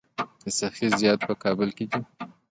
د سخي زیارت په کابل کې دی